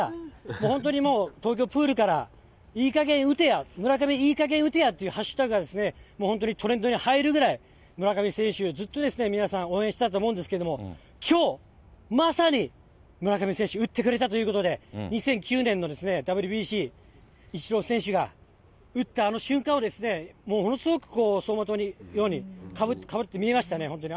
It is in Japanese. もう本当に東京プールから、いいかげん打てや、村上いいかげん打てやというハッシュタグがもう本当にトレンドに入るくらい、村上選手をずっと皆さん応援してたと思うんですけど、きょう、まさに、村上選手打ってくれたということで、２００９年のＷＢＣ、イチロー選手が打ったあの瞬間を、ものすごく走馬灯のように、かぶって見えましたね、本当に。